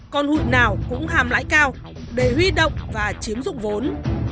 còn hụi nào cũng hàm lãi cao để huy động và chiếm dụng vốn